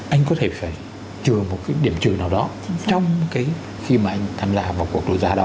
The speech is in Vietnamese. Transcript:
anh có thể phải trừ một cái điểm trừ nào đó trong cái khi mà anh tham gia vào cuộc đấu giá đó